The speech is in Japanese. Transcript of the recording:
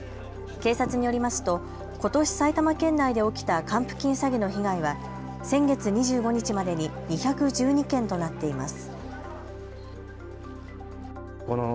警察によりますと、ことし埼玉県内で起きた還付金詐欺の被害は先月２５日までに２１２件となっています。